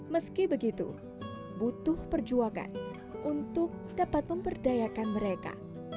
meski begitu butuh perjuangan untuk dapat memberdayakan mereka